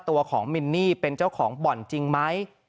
ตัวของมินนี่เป็นเจ้าของบ่อนจริงไหม